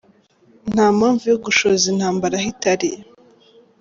Nta mpamvu yo gushoza intambara aho itari.